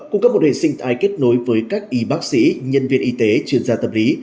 cung cấp một hệ sinh thái kết nối với các y bác sĩ nhân viên y tế chuyên gia tâm lý